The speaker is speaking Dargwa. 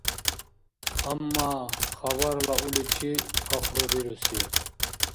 Амма хабарла уличи пахрубируси.